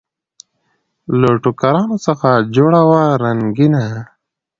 له ټوکرانو څخه جوړه وه رنګینه